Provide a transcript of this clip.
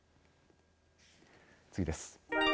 次です。